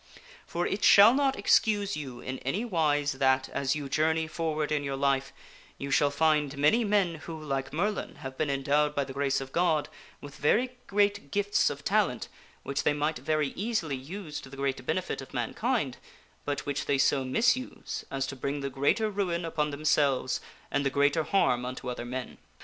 For it shall not excuse you in any wise that, as you joiirney for ward in your life, you shall find many men who, like Merlin, have been endowed by the grace of God with very great gifts of talent which tJiey might very easily use to the great benefit of mankind, but which they so misuse as to bring the greater ruin upon themselves and the greater harm unto other men.